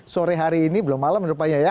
sore hari ini belum malam menurut saya ya